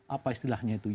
apa istilahnya itu